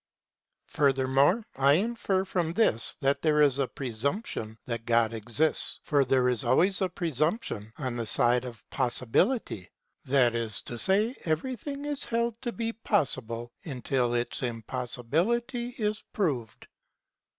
Furthermore I infer from this that there is a presump tion that God exists for there is always a presumption on the side of possibility ; that is to say everything is held to be possible until its impossibility is proved.